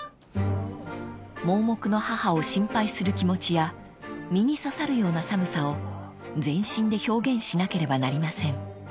［盲目の母を心配する気持ちや身に刺さるような寒さを全身で表現しなければなりません］